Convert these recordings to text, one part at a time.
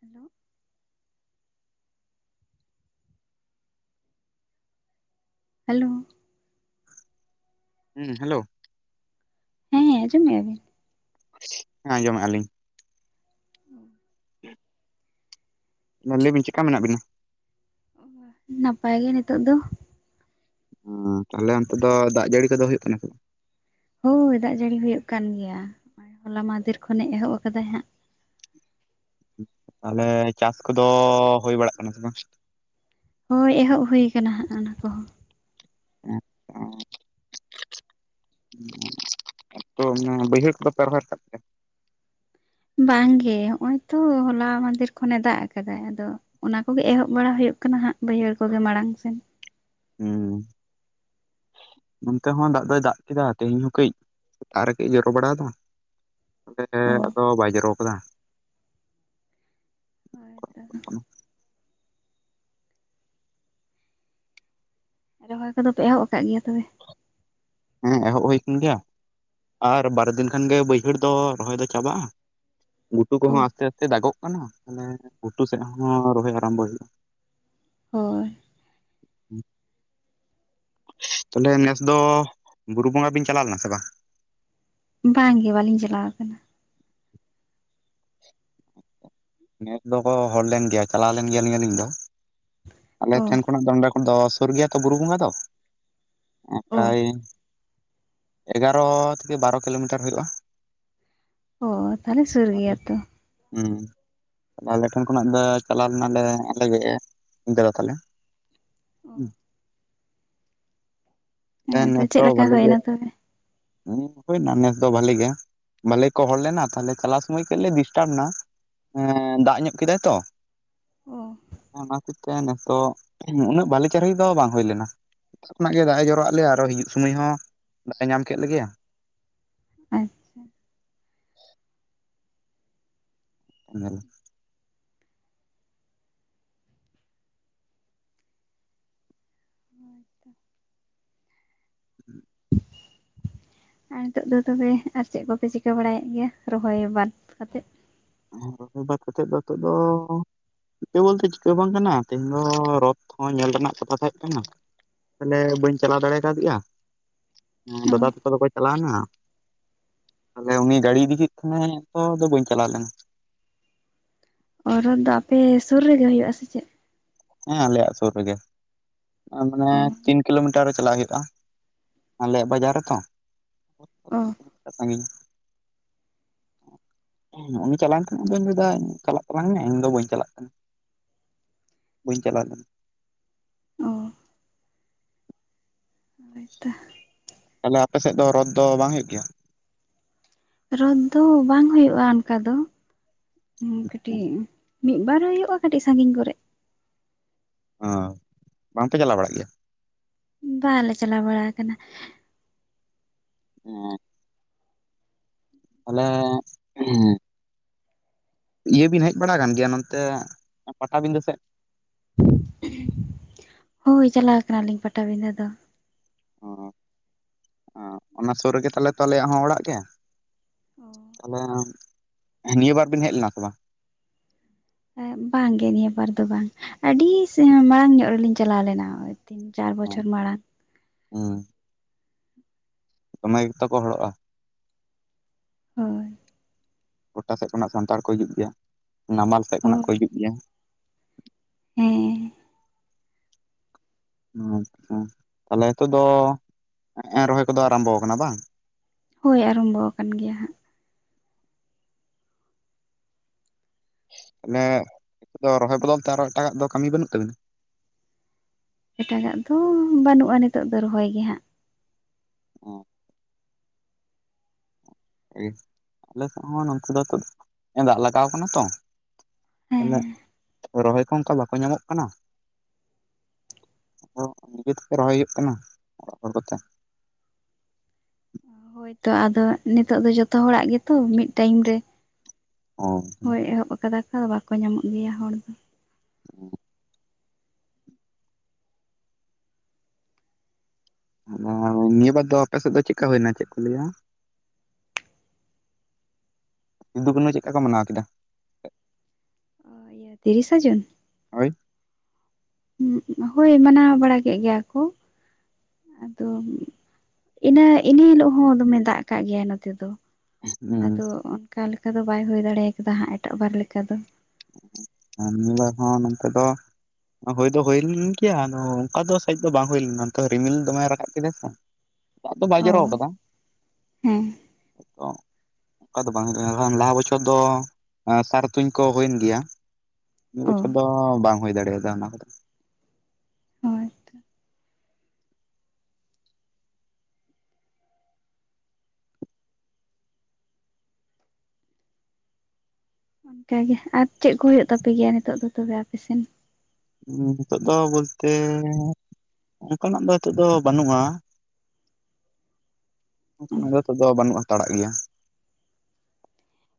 Hello. Hello ᱦᱩᱸ hello. ᱟᱡᱚᱢ ᱢᱮᱜᱟ ᱵᱤᱱ? ᱦᱮᱸ ᱟᱡᱚᱢᱟᱜᱼᱟ ᱞᱤᱧ᱾ [inaudible] ᱢᱟ ᱞᱟᱹᱭ ᱵᱤᱱ ᱪᱮᱠᱟ ᱢᱮᱱᱟᱜ ᱵᱤᱱᱟ? ᱱᱟᱯᱟᱭ ᱜᱮ ᱱᱤᱛᱚᱜ ᱫᱚ᱾ ᱛᱟᱦᱞᱮ ᱚᱱᱛᱮ ᱫᱚ ᱫᱟᱜ ᱡᱟᱹᱲᱤ ᱠᱚᱫᱚ ᱦᱩᱭᱩᱜ ᱠᱟᱱᱟ ᱦᱳᱭ ᱫᱟᱜ ᱡᱟᱹᱲᱤ ᱦᱩᱭᱩᱜ ᱠᱟᱱ ᱜᱮᱭᱟ ᱱᱚᱜ-ᱚᱭ ᱦᱚᱞᱟ ᱢᱟᱦᱫᱮᱨ ᱠᱷᱚᱱᱮ ᱮᱦᱚᱵ ᱟᱠᱟᱫᱟᱭ ᱦᱟᱸᱜ, ᱛᱟᱦᱚᱞᱮ ᱪᱟᱥ ᱠᱚᱫᱚ ᱦᱩᱭ ᱵᱟᱲᱟᱜ ᱠᱟᱱᱟ ᱥᱮ ᱵᱟᱝ? ᱦᱳᱭ ᱮᱦᱚᱵ ᱦᱩᱭᱩ ᱟᱠᱟᱱᱟ ᱦᱟᱸᱜ ᱚᱱᱟ ᱠᱚᱦᱚᱸ᱾ [unintelligible] ᱛᱚ ᱚᱱᱟ ᱵᱟᱹᱭᱦᱟᱹᱲ ᱠᱚᱯᱮ ᱨᱚᱦᱚᱭ ᱠᱟᱜ ᱵᱟᱝᱜᱮ ᱦᱚᱜ-ᱚᱭ ᱛᱚ ᱦᱚᱞᱟ ᱢᱟᱫᱷᱮᱨ ᱠᱷᱚᱱᱮ ᱫᱟᱜ ᱟᱠᱟᱫᱟ ᱟᱫᱚ ᱚᱱᱟ ᱠᱚᱜᱮ ᱮᱦᱚᱵ ᱵᱟᱲᱟ ᱦᱩᱭᱩᱜ ᱠᱟᱱᱟ ᱦᱟᱸᱜ ᱵᱟᱹᱭᱦᱟᱹᱲ ᱠᱚᱜᱮ ᱢᱟᱲᱟᱝ ᱥᱮᱱ᱾ ᱦᱮᱸ ᱦᱮᱸ ᱱᱚᱱᱛᱮ ᱦᱚᱸ ᱫᱟᱜ ᱫᱚᱭ ᱫᱟᱜ ᱠᱮᱫᱟ ᱛᱮᱦᱮᱧ ᱦᱚᱸ ᱠᱟᱹᱡ, ᱥᱮᱛᱟᱜ ᱨᱮ ᱠᱟᱹᱡ ᱡᱚᱨᱚ ᱵᱟᱲᱟ ᱟᱫᱟ ᱛᱟᱦᱚᱞᱮ ᱚ ᱟᱫᱚ ᱵᱟᱭ ᱡᱚᱨᱚ ᱠᱟᱫᱟ ᱦᱳᱭ ᱛᱚ᱾ ᱨᱚᱦᱚᱭ ᱠᱚᱫᱚ ᱯᱮ ᱮᱦᱚᱵ ᱟᱠᱟᱫ ᱜᱮᱭᱟ ᱛᱚᱵᱮ᱾ ᱦᱮᱸ ᱮᱦᱚᱵ ᱦᱩᱭ ᱟᱠᱟᱱ ᱜᱮᱭᱟ ᱟᱨ ᱵᱟᱨ ᱫᱤᱱ ᱠᱷᱟᱱ ᱜᱮ ᱵᱟᱹᱭᱦᱟᱹᱲ ᱫᱚ ᱨᱚᱦᱚᱭ ᱫᱚ ᱪᱟᱵᱟᱜ-ᱟ᱾ ᱜᱷᱩᱴᱩ ᱚ ᱠᱚᱦᱚᱸ ᱟᱥᱛᱮ ᱟᱥᱛᱮ ᱫᱟᱜᱚᱜ ᱠᱟᱱᱟ ᱛᱟᱦᱚᱞᱮ ᱜᱷᱩᱴᱩ ᱥᱮᱫ ᱦᱚᱸ ᱨᱚᱦᱚᱭ ᱟᱨᱟᱢᱵᱚ ᱦᱩᱭᱩᱜ-ᱟ᱾ ᱦᱳᱭ᱾ ᱛᱟᱦᱚᱞᱮ ᱱᱮᱥ ᱫᱚ ᱵᱩᱨᱩ ᱵᱚᱸᱜᱟ ᱵᱤᱱ ᱪᱟᱞᱟᱣ ᱞᱮᱱᱟ ᱥᱮ ᱵᱟᱝ? ᱵᱟᱝ ᱜᱮ ᱵᱟᱞᱤᱧ ᱪᱟᱞᱟᱣ ᱟᱠᱟᱱᱟ᱾ ᱱᱮᱥ ᱫᱚᱠᱚ ᱦᱚᱲ ᱞᱮᱱ ᱜᱮᱭᱟ ᱪᱟᱞᱟᱣ ᱞᱮᱱ ᱜᱮᱭᱟᱞᱤᱧᱟ ᱟᱹᱞᱤᱧ ᱫᱚ [inaudible] ᱟᱞᱮ ᱚ ᱴᱷᱮᱱ ᱠᱷᱚᱱᱟᱜ ᱫᱚ ᱱᱚᱰᱮ ᱫᱚ ᱥᱩᱨ ᱜᱮᱭᱟ ᱛᱚ ᱵᱩᱨᱩ ᱵᱚᱸᱜᱟ ᱫᱚ [inaudible] ᱚ ᱯᱨᱟᱭ, ᱮᱜᱟᱨᱚ ᱛᱷᱮᱠᱮ ᱵᱟᱨᱚ ᱠᱤᱞᱳᱢᱤᱴᱟᱨ ᱦᱳᱭᱳᱜ-ᱟ᱾ ᱚᱻ ᱛᱟᱦᱚᱞᱮ ᱥᱩᱨ ᱜᱮᱭᱟ ᱛᱚ᱾ ᱦᱮᱸᱻ ᱟᱞᱮ ᱴᱷᱮᱱ ᱠᱷᱚᱱᱟᱜ ᱫᱚ ᱪᱟᱞᱟᱣ ᱞᱮᱱᱟᱞᱮ ᱟᱞᱮ ᱜᱮ ᱤᱧ ᱫᱟᱫᱟ ᱛᱟᱞᱮ, ᱦᱩᱸ [inaudible] ᱦᱳᱭ ᱦᱮᱸ ᱛᱚ ᱱᱮᱥ ᱪᱮᱫ ᱫᱚ ᱞᱮᱠᱟ ᱵᱷᱟᱞᱮ ᱜᱮ, ᱦᱩᱭᱱᱟ ᱛᱚᱵᱮ ᱦᱩᱭᱱᱟ ᱱᱮᱥ ᱫᱚ ᱵᱷᱟᱞᱮ ᱜᱮ ᱵᱷᱟᱞᱮ ᱠᱚ ᱦᱚᱲ ᱞᱮᱱᱟ ᱛᱟᱦᱞᱮ ᱪᱟᱞᱟᱣ ᱥᱚᱢᱳᱭ ᱠᱟᱹᱡ ᱞᱮ ᱰᱤᱥᱴᱟᱵ ᱞᱮᱱᱟ, ᱦᱮᱸᱻ ᱫᱟᱜ ᱧᱚᱜ ᱠᱮᱫᱟᱭ ᱛᱚ᱾ ᱚᱻ ᱚᱱᱟ ᱠᱷᱟᱹᱛᱤᱨ ᱱᱮᱥ ᱫᱚ ᱩᱱᱟᱹᱜ ᱵᱟᱹᱞᱤ ᱪᱟᱨᱤ ᱫᱚ ᱵᱟᱝ ᱦᱩᱭ ᱞᱮᱱᱟ, ᱠᱷᱚᱱᱟᱜ ᱜᱮ ᱫᱟᱜ ᱮ ᱡᱚᱨᱚ ᱟᱜ ᱞᱮᱭᱟ ᱟᱨᱚ ᱦᱤᱡᱩᱜ ᱥᱚᱢᱚᱭ ᱦᱚᱸ ᱫᱟᱜ ᱮ ᱧᱟᱢ ᱠᱮᱫ ᱞᱮᱜᱮᱭᱟ, ᱟᱪᱪᱷᱟ [unintelligible] [inaudible] [inaudible] ᱟᱨ ᱱᱤᱛᱚᱜ ᱫᱚ ᱛᱚᱵᱮ ᱟᱨ ᱪᱮᱫ ᱠᱚᱯᱮ ᱪᱤᱠᱟᱹ ᱵᱟᱲᱟᱭᱮᱫ ᱜᱮᱭᱟ ᱨᱚᱦᱚᱭ ᱵᱟᱫ ᱠᱟᱛᱮᱫ? ᱦᱮᱸ ᱵᱟᱛ ᱠᱟᱛᱮᱜ ᱫᱚ ᱱᱤᱛᱚᱜ ᱫᱚ ᱪᱤᱠᱟᱹ ᱵᱚᱞᱛᱮ ᱪᱤᱠᱟᱹ ᱵᱟᱝ ᱠᱟᱱᱟ ᱛᱮᱦᱮᱧ ᱫᱚ ᱨᱚᱛ ᱦᱚᱸ ᱧᱮᱞ ᱨᱮᱱᱟᱜ ᱠᱟᱛᱷᱟ ᱛᱟᱦᱮᱸ ᱠᱟᱱᱟ, ᱛᱟᱦᱞᱮ ᱵᱟᱹᱧ ᱪᱟᱞᱟᱣ ᱫᱟᱲᱮ ᱠᱟᱫᱮᱭᱟ ᱫᱟᱫᱟ ᱛᱟᱠᱚ ᱫᱚᱠᱚ ᱪᱟᱞᱟᱣᱱᱟ, ᱛᱟᱦᱚᱞᱮ ᱩᱱᱤ ᱜᱟᱹᱲᱤ ᱤᱫᱤ ᱠᱮᱫ ᱠᱷᱟᱱᱮ ᱛᱚ ᱟᱫᱚ ᱵᱟᱹᱧ ᱪᱟᱞᱟᱣ ᱞᱮᱱᱟ᱾ ᱚ ᱨᱚᱛ ᱫᱚ ᱟᱯᱮ ᱥᱩᱨ ᱨᱮᱜᱮ ᱦᱩᱭᱩᱜ-ᱟ ᱥᱮ ᱪᱮᱫ? ᱦᱮᱸ ᱟᱞᱮᱭᱟᱜ ᱥᱩᱨ ᱨᱮᱜᱮ [inaudible] ᱢᱟᱱᱮ ᱚ ᱛᱤᱱ ᱠᱤᱞᱳᱢᱤᱴᱟᱨᱼᱼ ᱠᱤᱞᱳᱢᱤᱴᱟᱨ ᱨᱮ ᱪᱟᱞᱟᱜ ᱦᱩᱭᱩᱜ-ᱟ ᱟᱞᱮᱭᱟᱜ ᱵᱟᱡᱟᱨ ᱨᱮᱛᱚ᱾ ᱚ᱾ ᱟᱨ ᱥᱟᱺᱜᱤᱧᱼᱼ ᱩᱱᱤ ᱪᱟᱞᱟᱣᱮᱱ ᱠᱟᱱ ᱟᱫᱚᱧ ᱞᱟᱹᱭ ᱫᱟ ᱪᱟᱞᱟᱜ ᱛᱟᱞᱟᱝ ᱢᱮ ᱤᱧ ᱫᱚ ᱵᱟᱹᱧ ᱪᱟᱞᱟᱜ ᱠᱟᱱᱟ᱾ ᱵᱟᱹᱧ ᱪᱟᱞᱟᱣ ᱞᱮᱱᱟ᱾ ᱚ ᱦᱳᱭᱛᱚ ᱛᱟᱦᱚᱞᱮ ᱟᱯᱮ ᱥᱮᱫ ᱫᱚ ᱨᱚᱫ ᱫᱚ ᱵᱟᱝ ᱦᱳᱭᱳᱜ ᱜᱮᱭᱟ? ᱨᱚᱫ ᱫᱚ ᱵᱟᱝ ᱦᱩᱭᱩᱜᱼᱟ ᱚᱱᱠᱟ ᱫᱚ ᱠᱟᱹᱴᱤᱡᱼᱼ ᱢᱤᱫ ᱵᱟᱨ ᱦᱩᱭᱩᱜᱼᱟ ᱠᱟᱹᱴᱤᱡ ᱥᱟᱺᱜᱤᱧ ᱠᱚᱨᱮᱜ। ᱚ ᱵᱟᱝᱯᱮ ᱪᱟᱞᱟᱣ ᱵᱟᱲᱟᱜ ᱜᱮᱭᱟ? ᱵᱟᱞᱮ ᱪᱟᱞᱟᱣ ᱵᱟᱲᱟ ᱟᱠᱟᱱᱟ। ᱦᱩᱸ᱾ ᱟᱞᱮ ᱦᱮ [inaudible] ᱤᱭᱟᱹ ᱵᱤᱱ ᱦᱮᱡ ᱵᱟᱲᱟ ᱟᱠᱟᱱ ᱜᱮᱭᱟ ᱱᱚᱱᱛᱮ ᱯᱟᱴᱟᱵᱤᱫᱟᱹ ᱥᱮᱫ? ᱦᱳᱭ ᱪᱟᱞᱟᱣ ᱠᱟᱱᱟᱞᱤᱧ ᱯᱟᱴᱟᱵᱤᱫᱟᱹ ᱫᱚ। ᱚ ᱚᱱᱟ ᱥᱩᱨ ᱨᱮᱜᱮ ᱛᱟᱞᱮ ᱛᱚ ᱟᱞᱮᱭᱟᱜ ᱦᱚᱸ ᱚᱲᱟᱜ ᱜᱮ। ᱛᱟᱦᱚᱞᱮ ᱱᱤᱭᱟᱹ ᱵᱟᱨ ᱵᱤᱱ ᱦᱮᱡ ᱞᱮᱱᱟ ᱥᱮ ᱵᱟᱝ? ᱵᱟᱝᱜᱮ ᱱᱤᱭᱟᱹ ᱵᱟᱨ ᱫᱚ ᱵᱟᱝ ᱟᱹᱰᱤ ᱥᱮ ᱢᱟᱲᱟᱝ ᱧᱚᱜ ᱨᱮᱞᱤᱧ ᱪᱟᱞᱟᱣ ᱞᱮᱱᱟᱼᱼ ᱛᱤᱱ ᱪᱟᱨ ᱦᱮᱸ ᱵᱚᱪᱷᱚᱨ ᱢᱟᱲᱟᱝ। ᱦᱩᱸ᱾ ᱫᱚᱢᱮ ᱜᱮᱛᱚ ᱠᱚ ᱦᱚᱲᱚᱜᱼᱟ। ᱦᱳᱭ। ᱜᱚᱴᱟ ᱥᱮᱫ ᱠᱷᱚᱱᱟᱜ ᱥᱟᱱᱛᱟᱲ ᱠᱚ ᱦᱤᱡᱩᱜ ᱜᱮᱭᱟ ᱱᱟᱢᱟᱞ ᱥᱮᱫ ᱠᱷᱚᱱᱟᱜ ᱦᱳᱭ ᱠᱚ ᱦᱤᱡᱩᱜ ᱜᱮᱭᱟ। ᱦᱮᱸ᱾ ᱟᱪᱪᱷᱟ ᱛᱟᱦᱚᱞᱮ ᱱᱤᱛᱚᱜ ᱫᱚ ᱱᱮᱜᱼᱮ ᱨᱚᱦᱚᱭ ᱠᱚᱫᱚ ᱟᱨᱟᱢᱵᱚ ᱟᱠᱟᱱᱟ ᱵᱟᱝ? ᱦᱳᱭ ᱟᱨᱚᱢᱵᱚ ᱟᱠᱟᱱ ᱜᱮᱭᱟ ᱦᱟᱸᱜ। ᱛᱟᱦᱚᱞᱮ ᱱᱤᱛᱚᱜ ᱫᱚ ᱨᱚᱦᱚᱭ ᱵᱚᱫᱚᱞ ᱛᱮ ᱟᱨᱚ ᱮᱴᱟᱜᱟᱜ ᱫᱚ ᱠᱟᱹᱢᱤ ᱵᱟᱹᱱᱩᱜ ᱛᱟᱵᱤᱱᱟ? ᱮᱴᱟᱜᱟᱜ ᱫᱚ ᱵᱟᱹᱱᱩᱜᱼᱟ ᱱᱤᱛᱳᱜ ᱫᱚ ᱨᱚᱦᱚᱭ ᱜᱮ ᱦᱟᱸᱜ। ᱚᱸ ᱟᱞᱮ ᱥᱮᱫ ᱦᱚᱸ ᱱᱩᱝᱠᱩ ᱫᱚ ᱱᱤᱛᱚᱜ ᱫᱚ ᱫᱟᱜ ᱞᱟᱜᱟᱣ ᱠᱟᱱᱟ ᱛᱚ᱾ ᱦᱮᱸ ᱛᱟᱦᱞᱮ ᱨᱚᱦᱚᱭ ᱠᱚ ᱚᱱᱠᱟ ᱵᱟᱠᱚ ᱧᱟᱢᱚᱜ ᱠᱟᱱᱟ। ᱟᱫᱚ ᱱᱤᱡᱮ ᱛᱮᱜᱮ ᱨᱚᱦᱚᱭ ᱦᱩᱭᱩᱜ ᱠᱟᱱᱟ ᱚᱲᱟᱜ ᱦᱚᱲ ᱠᱚᱛᱮ। ᱦᱳᱭᱛᱚ ᱟᱫᱚ ᱱᱤᱛᱚᱜ ᱫᱚ ᱡᱚᱛᱚ ᱦᱚᱲᱟᱜ ᱜᱮᱛᱚ ᱢᱤᱫ ᱴᱟᱭᱤᱢ ᱨᱮ। ᱚ ᱦᱳᱭ ᱮᱦᱚᱵ ᱠᱟᱫᱟ ᱠᱚ ᱵᱟᱠᱚ ᱧᱟᱢᱚᱜ ᱜᱮᱭᱟ ᱦᱚᱲ ᱫᱚ। ᱦᱩ᱾ ᱟᱫᱚ ᱱᱤᱭᱟᱹ ᱵᱟᱨ ᱫᱚ ᱟᱯᱮ ᱥᱮᱫ ᱫᱚ ᱪᱮᱫᱠᱟ ᱦᱩᱭᱮᱱᱟ ᱪᱮᱫ ᱠᱚ ᱞᱟᱹᱭᱟᱼᱼ ᱥᱤᱫᱩ ᱠᱟᱹᱱᱩ ᱪᱮᱫ ᱞᱮᱠᱟ ᱠᱚ ᱢᱟᱱᱟᱣ ᱠᱮᱫᱟ? ᱤᱭᱟᱹ ᱛᱤᱨᱤᱥᱟ ᱡᱩᱱ? ᱦᱳᱭ ᱦᱳᱭ ᱢᱟᱱᱟᱣ ᱵᱟᱲᱟ ᱠᱮᱜ ᱜᱮᱭᱟ ᱠᱚ ᱟᱫᱚᱼᱼ ᱤᱱᱟᱹ ᱤᱱᱮ ᱦᱤᱞᱳᱜ ᱦᱚᱸ ᱫᱚᱢᱮ ᱫᱟᱜ ᱠᱟᱜ ᱜᱮᱭᱟ ᱱᱚᱛᱮ ᱫᱚ᱾ ᱟᱫᱚ ᱦᱩᱸ ᱚᱱᱠᱟ ᱞᱮᱠᱟ ᱫᱚ ᱵᱟᱭ ᱦᱳᱭ ᱫᱟᱲᱮ ᱠᱟᱫᱟ ᱦᱟᱸᱜ ᱮᱴᱟᱜ ᱵᱟᱨ ᱞᱮᱠᱟ ᱫᱚ। ᱟᱨ ᱱᱤᱭᱟ ᱵᱟᱨ ᱦᱚᱸ ᱱᱛᱮ ᱫᱚᱼᱼ [inaudible] ᱦᱳᱭ ᱫᱚ ᱦᱳᱭ ᱞᱮᱱ ᱜᱮᱭᱟ ᱟᱫᱚ ᱚᱱᱠᱟ ᱫᱚ ᱥᱟᱡ ᱫᱚ ᱵᱟᱝ ᱦᱳᱭ ᱞᱮᱱᱟ ᱨᱤᱢᱤᱞ ᱫᱚᱢᱮ ᱨᱟᱠᱟᱵ ᱠᱮᱫᱟ ᱥᱮ। ᱫᱟᱜ ᱫᱚ ᱵᱟᱭ ᱚ ᱡᱚᱨᱚ ᱠᱟᱫᱟ᱾ ᱦᱮᱸ ᱚᱱᱠᱟ ᱫᱚ ᱵᱟᱝ ᱦᱩᱭᱩᱜ ᱠᱟᱱᱟ ᱞᱟᱦᱟ ᱵᱚᱪᱷᱚᱨ ᱫᱚ ᱥᱟᱨ ᱛᱩᱧ ᱠᱚᱼᱼ ᱦᱩᱭᱮᱱ ᱜᱮᱭᱟ ᱱᱤᱭᱟᱹ ᱚ ᱵᱚᱪᱷᱚᱨ ᱫᱚ ᱵᱟᱝ ᱦᱩᱭ ᱫᱟᱲᱮᱭᱟᱫᱟ ᱚᱱᱟ ᱠᱚᱫᱚ। ᱦᱳᱭ ᱚᱱᱠᱟᱜᱮ ᱟᱨ ᱪᱮᱫ ᱠᱚ ᱦᱩᱭᱩᱜ ᱛᱟᱯᱮ ᱜᱮᱭᱟ ᱱᱤᱛᱚᱜ ᱫᱚ ᱛᱚᱵᱮ ᱟᱯᱮᱥᱮᱱ? ᱦᱩᱸ ᱦᱮᱛᱚᱜ ᱫᱚ ᱵᱚᱞᱛᱮᱼᱼ ᱚᱱᱠᱟᱱᱟᱜ ᱫᱚ ᱱᱤᱛᱚᱜ ᱫᱚ ᱵᱟᱹᱱᱩᱜᱼᱟ। ᱚ ᱱᱚᱝᱠᱟ ᱛᱮ ᱫᱚ ᱵᱟᱹᱱᱩᱜᱼᱟᱛᱟᱲᱟᱜ ᱜᱮᱭᱟ᱾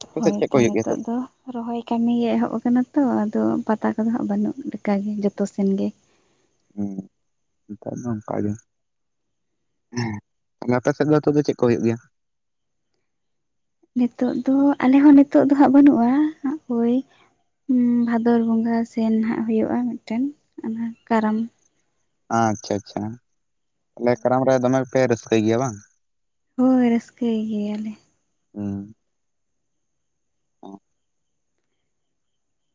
ᱟᱯᱮ ᱥᱮᱫ ᱦᱳᱭ ᱪᱮᱫ ᱠᱚ ᱛᱚ ᱦᱩᱭᱩᱜ ᱜᱮᱭᱟ ᱱᱤᱛᱚᱜ ᱫᱚᱼᱼ ᱨᱚᱦᱚᱭ ᱠᱟᱹᱢᱤ ᱜᱮ ᱮᱦᱚᱵ ᱟᱠᱟᱱᱟ ᱛᱚ ᱟᱫᱚ ᱯᱟᱛᱟ ᱠᱚᱫᱚ ᱦᱟᱸᱜ ᱵᱟᱹᱱᱩᱜ ᱞᱮᱠᱟᱜᱮ ᱡᱚᱛᱚ ᱥᱮᱱ ᱜᱮ ᱦᱩᱸ ᱱᱮᱛᱟᱨ ᱫᱚ ᱚᱱᱠᱟᱜᱮ ᱦᱮᱸ ᱟᱯᱮ ᱥᱮᱫ ᱫᱚ ᱱᱤᱛᱚᱜ ᱫᱚ ᱪᱮᱫ ᱠᱚ ᱦᱩᱭᱩᱜ ᱜᱮᱭᱟ? ᱱᱤᱛᱚᱜ ᱫᱚ ᱟᱞᱮ ᱦᱚ ᱱᱤᱛᱚᱜ ᱫᱚ ᱦᱟᱸᱜ ᱵᱟᱹᱱᱩᱜᱼᱟ ᱳᱭ ᱵᱷᱟᱫᱚᱨ ᱵᱚᱸᱜᱟ ᱥᱮᱱ ᱦᱟᱜ ᱦᱩᱭᱩᱜᱼᱟ ᱢᱤᱫᱴᱮᱱ ᱚᱱᱟ ᱠᱟᱨᱟᱢ ᱟᱪᱪᱷᱟ ᱪᱷᱟ ᱠᱟᱨᱟᱢ ᱨᱮ ᱫᱚᱢᱮᱯᱮ ᱨᱟᱹᱥᱠᱟᱹᱭ ᱜᱮᱭᱟ ᱵᱟᱝ? ᱦᱳᱭ ᱨᱟᱹᱥᱠᱟᱹᱭ ᱜᱮᱭᱟᱞᱮ ᱦᱩᱸ ᱚ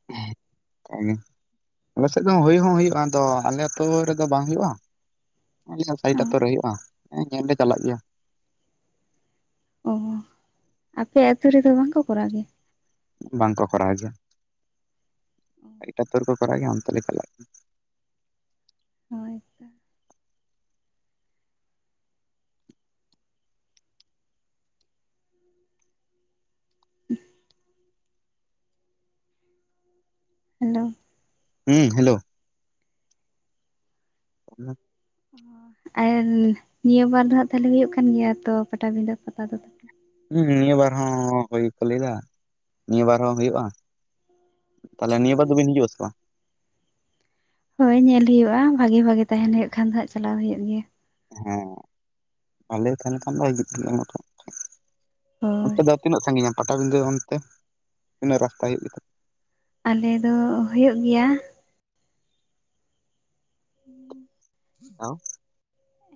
ᱮ ᱜᱮ ᱟᱞᱮᱥᱮᱫ ᱫᱚ ᱦᱩᱭ ᱦᱚᱸ ᱦᱩᱭᱩᱜᱼᱟ ᱟᱫᱚ ᱟᱞᱮ ᱟᱛᱩ ᱨᱮᱫᱚ ᱵᱟᱝ ᱦᱩᱭᱩᱜᱼᱟ᱾ [inaudible] ᱥᱟᱭᱤᱴ ᱟᱛᱩ ᱨᱮ ᱦᱩᱭᱩᱜᱼᱟ ᱦᱮᱸ ᱧᱮᱞ ᱞᱮ ᱪᱟᱞᱟᱜ ᱜᱮᱭᱟ᱾ ᱚ ᱟᱯᱮ ᱟᱛᱩ ᱨᱮᱫᱚ ᱵᱟᱝᱠᱚ ᱠᱚᱨᱟᱣ ᱜᱮᱭᱟ? ᱵᱟᱝᱠᱚ ᱠᱚᱨᱟᱣ ᱡᱚᱦᱟ ᱮᱴᱟᱜ ᱟᱛᱩ ᱨᱮ ᱠᱚ ᱠᱚᱨᱟᱣ ᱜᱮᱭᱟ ᱚᱱᱛᱮ ᱞᱮ ᱪᱟᱞᱟᱜ ᱦᱳᱭ ᱛᱚ ᱦᱮᱞᱳ ᱦᱩᱸ ᱦᱮᱞᱳ ᱚᱱᱟ ᱟᱨ ᱱᱤᱭᱟᱹ ᱵᱟᱨ ᱫᱚ ᱦᱟᱸᱟᱜ ᱛᱟᱦᱞᱮ ᱦᱩᱭᱩᱜ ᱠᱟᱱ ᱜᱮᱭᱟ ᱛᱚ ᱯᱟᱴᱟᱵᱤᱸᱫᱟᱹ ᱯᱟᱛᱟ ᱫᱚ ᱦᱩᱸ ᱱᱤᱭᱟᱹ ᱵᱟᱨ ᱦᱚᱸ ᱦᱩᱭ ᱠᱚ ᱞᱟᱹᱭᱫᱟ ᱱᱤᱭᱟᱹ ᱵᱟᱨ ᱦᱚᱸ ᱦᱩᱭᱩᱜᱼᱟ᱾ ᱛᱟᱦᱚᱞᱮ ᱱᱤᱭᱟᱹ ᱵᱟᱨ ᱫᱚᱵᱤᱱ ᱦᱤᱡᱩᱜ ᱟᱥᱮ ᱵᱟᱝ? ᱦᱳᱭ ᱧᱮᱞ ᱦᱩᱭᱩᱜᱼᱟ ᱵᱷᱟᱜᱤ ᱵᱷᱟᱜᱤ ᱛᱟᱦᱮᱱ ᱦᱩᱭᱩᱜ ᱠᱷᱟᱱ ᱫᱚ ᱦᱟᱸᱜ ᱪᱟᱞᱟᱣ ᱦᱩᱭᱩᱜ ᱜᱮᱭᱟ᱾ ᱦᱮᱸ ᱵᱷᱟᱞᱮ ᱛᱟᱦᱮᱸ ᱞᱮᱠᱷᱟᱱ ᱫᱚ ᱜᱤᱫᱽᱨᱟᱹ ᱦᱚ ᱢᱤᱫᱴᱮᱜ ᱚᱱᱛᱮ ᱦᱳᱭ ᱫᱚ ᱛᱤᱱᱟᱹᱜ ᱥᱟᱺᱜᱤᱧᱟ ᱯᱟᱴᱟᱵᱤᱸᱫᱟᱹ ᱚᱱᱛᱮ? ᱛᱤᱱᱟᱹᱜ ᱨᱟᱥᱛᱟ ᱦᱩᱭᱩᱜ ᱜᱮᱛᱟ ᱟᱞᱮ ᱫᱚ ᱦᱩᱭᱩᱜ ᱜᱮᱭᱟ ᱛᱟᱣ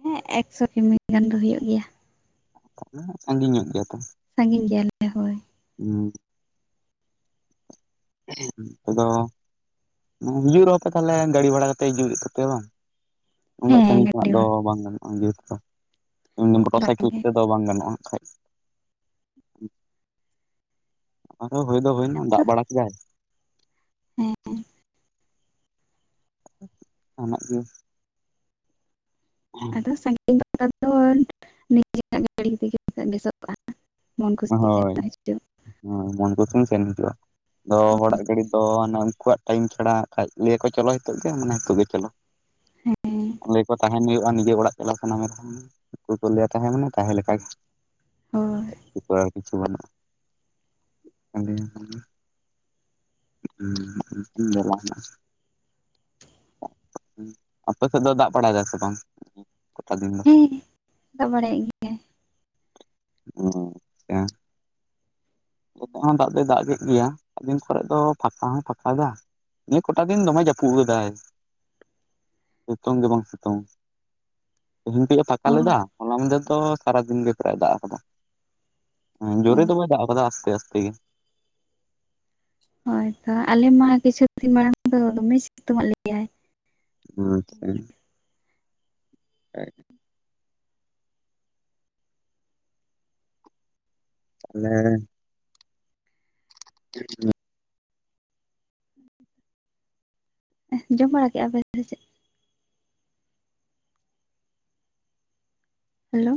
ᱦᱮᱸ ᱮᱠᱥᱚ ᱠᱤᱢᱤ ᱜᱟᱱ ᱫᱚ ᱦᱩᱭᱩᱜ ᱜᱮᱭᱟ᱾ ᱛᱟᱦᱞᱮ ᱥᱟᱺᱜᱤᱧ ᱧᱚᱜ ᱜᱮᱭᱟ ᱛᱚ ᱥᱟᱜᱤᱧ ᱜᱮᱭᱟ ᱞᱮ ᱚ ᱟᱫᱚ ᱦᱤᱡᱩᱜ ᱨᱮᱦᱚᱸ ᱯᱮ ᱛᱟᱦᱞᱮ ᱜᱟᱹᱰᱤ ᱵᱷᱟᱲᱟ ᱠᱟᱛᱮ ᱦᱤᱡᱩᱜ ᱦᱩᱭᱩᱜ ᱛᱟᱯᱮᱭᱟ ᱵᱟᱝ? ᱩᱱᱟᱹᱜ ᱦᱮᱸ ᱥᱟᱺᱜᱤᱧ ᱠᱷᱚᱱᱟᱜ ᱜᱟᱹᱰᱤ ᱫᱚ ᱵᱷᱟᱲᱟ ᱵᱟᱝ ᱜᱟᱱᱚᱜᱼᱟ ᱡᱟ ᱛᱮᱫᱚ ᱢᱚᱴᱚᱨ ᱵᱟᱝ ᱥᱟᱭᱠᱮᱞ ᱜᱮ ᱠᱚᱛᱮ ᱫᱚ ᱵᱟᱝ ᱜᱟᱱᱚᱜᱼᱟ ᱠᱷᱟᱡ ᱯᱟᱛᱟ ᱫᱚ ᱦᱩᱭ ᱫᱚ ᱦᱮᱸ ᱦᱩᱭᱱᱟ ᱫᱟᱜ ᱟᱫᱚ ᱵᱟᱲᱟ ᱠᱮᱫᱟᱭ ᱦᱮᱸ ᱚᱱᱟᱜ ᱜᱮ [inaudible] [inaudible] ᱢᱚᱱ ᱠᱷᱩᱥᱤ ᱦᱤᱡᱩᱜ ᱦᱚ ᱢᱚᱱ ᱠᱩᱥᱤᱢ ᱥᱮᱱ ᱦᱤᱡᱩᱜ-ᱟ ᱟᱫᱚ ᱦᱚᱲᱟᱜ ᱜᱟᱹᱰᱤ ᱫᱚ ᱟᱱᱮ ᱩᱱᱠᱩᱣᱟᱜ ᱴᱟᱭᱤᱢ ᱪᱷᱟᱲᱟ ᱠᱷᱟᱡ ᱞᱟᱹᱭᱟᱠᱚ ᱪᱚᱞᱚ ᱱᱤᱛᱚᱜ ᱜᱮ ᱢᱟᱱᱮ ᱱᱤᱛᱚᱜ ᱜᱮ ᱪᱚᱞᱚ [inaudible] ᱦᱮᱸ ᱞᱟᱹᱭ ᱠᱚ ᱛᱟᱦᱮᱱ ᱦᱩᱭᱩᱜᱼᱟ ᱱᱤᱡᱮ ᱚᱲᱟᱜ ᱪᱟᱞᱟᱜ ᱥᱟᱱᱟ ᱢᱮ ᱨᱮᱦᱚ ᱩᱱᱠᱩ ᱠᱚ ᱞᱟᱹᱭᱟ ᱛᱟᱦᱮᱸ ᱢᱮ ᱛᱟᱦᱮᱸ ᱞᱮ ᱠᱷᱟᱡ ᱦᱳᱭ [unintelligible] ᱠᱤᱪᱷᱩ ᱵᱟᱹᱱᱩᱜᱼᱟ ᱯᱟᱴᱩᱭᱟ ᱛᱟᱦᱞᱮ ᱦᱮᱸ [unintelligible] ᱟᱯᱮ ᱥᱮᱫ ᱫᱚ ᱫᱟᱜ ᱵᱟᱲᱟᱭ ᱫᱟᱭ ᱥᱮ ᱵᱟᱝ? ᱠᱚᱴᱟ ᱫᱤᱱ ᱫᱚ ᱫᱟᱜ ᱵᱟᱲᱟᱭᱮᱫ ᱜᱮᱭᱟᱭ ᱚ ᱟᱪᱪᱷᱟ ᱱᱚᱛᱮ ᱦᱚᱸ ᱫᱟᱜ ᱫᱚᱭ ᱫᱟᱜ ᱠᱮᱫ ᱜᱮᱭᱟ ᱟᱫᱤᱱ ᱠᱚᱨᱮ ᱫᱚ ᱯᱷᱟᱸᱠᱟ ᱦᱚᱸᱭ ᱯᱷᱟᱸᱠᱟᱭ ᱫᱟ ᱾ ᱱᱤᱭᱟᱹ ᱠᱚᱴᱟ ᱫᱤᱱ ᱫᱚᱢᱮ ᱡᱟᱹᱯᱩᱫ ᱞᱮᱫᱟᱭ ᱾ ᱥᱤᱛᱩᱝ ᱜᱮ ᱵᱟᱝ ᱥᱤᱛᱩᱝ ᱛᱮᱦᱮᱧ ᱠᱟ. ᱡ ᱮ ᱯᱷᱟᱠᱟ ᱚ ᱞᱮᱫᱟ ᱾ ᱦᱚᱞᱟ ᱢᱟᱫᱷᱮᱨᱹ ᱫᱚ ᱥᱟᱨᱟᱫᱤᱱ ᱜᱮ ᱯᱮᱨᱟᱭ ᱫᱟᱜ ᱟᱠᱟᱫᱟ ᱦᱮᱸ ᱚ ᱡᱳᱨᱮ ᱫᱚ ᱵᱟᱭ ᱫᱟᱜ ᱟᱠᱟᱫᱟ ᱟᱥ ᱟᱥᱛᱮ ᱟᱥᱛᱮ ᱜᱮ ᱾ ᱦᱳᱭ ᱛᱚ ᱟᱞᱮ ᱢᱟ ᱠᱤᱪᱷᱩ ᱫᱤᱱ ᱢᱟᱲᱟᱝ ᱫᱚ ᱫᱚᱢᱮ ᱥᱤᱛᱩᱝ ᱟᱸᱜ ᱞᱮᱭᱟᱭ ᱾ ᱟᱪᱷᱟ ᱾ ᱟᱡ ᱟᱞᱮ ᱾ [unintelligible] ᱡᱚᱢ ᱵᱟᱲᱟ ᱠᱮᱫᱼᱟ ᱯᱮ ᱥᱮ ᱪᱮᱫ ᱾ ᱦᱮᱞᱳ ᱾